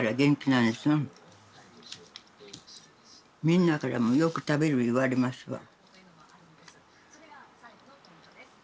みんなからもよく食べる言われますわ。